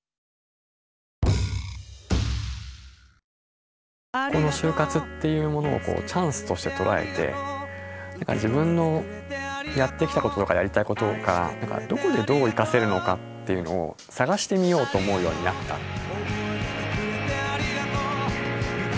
この就活っていうものをチャンスとして捉えて自分のやってきたこととかやりたいことがどこでどう生かせるのか？っていうのを探してみようと思うようになった。